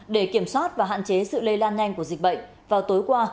để kiểm soát và hạn chế sự lây lan nhanh của dịch bệnh vào tối qua